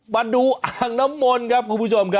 มาดูอ่างน้ำมนต์ครับคุณผู้ชมครับ